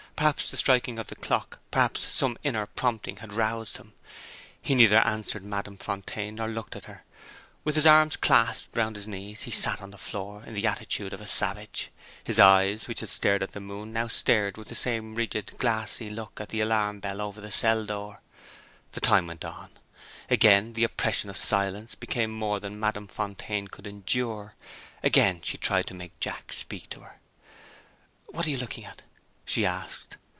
Perhaps the striking of the clock perhaps some inner prompting had roused him. He neither answered Madame Fontaine, nor looked at her. With his arms clasped round his knees, he sat on the floor in the attitude of a savage. His eyes, which had stared at the moon, now stared with the same rigid, glassy look at the alarm bell over the cell door. The time went on. Again the oppression of silence became more than Madame Fontaine could endure. Again she tried to make Jack speak to her. "What are you looking at?" she asked.